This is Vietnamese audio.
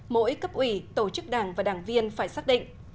mỗi cấp ủy tổ chức đảng và đảng viên phải xác định